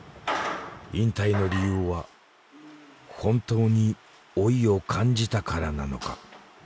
引退の理由は本当に老いを感じたからなのか？